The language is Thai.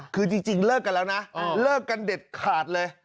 คือจริงเลิกกันแล้วนะเลิกกันเด็ดขาดเลย